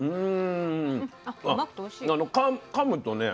うん。